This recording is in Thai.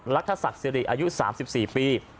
ศักดิ์สิริอายุ๓๔ปี